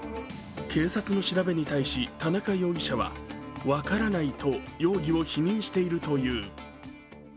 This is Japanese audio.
警察の調べに対し、田中容疑者は、分からないと容疑を否認しているという。